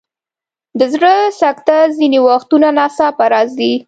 د زړه سکته ځینې وختونه ناڅاپه راځي.